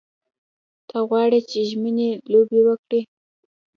ته غواړې چې ژمنۍ لوبې وکړې.